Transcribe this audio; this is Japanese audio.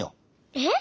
えっ？